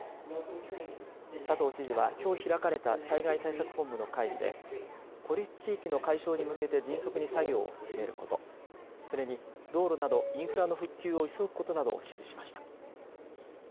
佐藤知事はきょう開かれた災害対策本部の会議で孤立地域の解消に向けて迅速に作業を進めることそれに道路などインフラの復旧を急ぐことなどを指示しました。